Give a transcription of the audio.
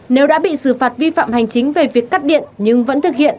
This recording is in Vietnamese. nếu đã bị xử phạt vi phạm hành chính về việc cắt điện nhưng vẫn thực hiện